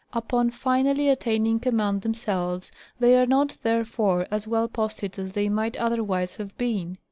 Upon finally attaining command themselves they are not, therefore, as well posted as they might otherwise have been.